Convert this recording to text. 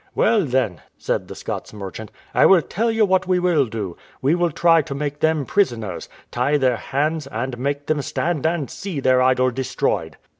"Well, then," said the Scots merchant, "I will tell you what we will do: we will try to make them prisoners, tie their hands, and make them stand and see their idol destroyed."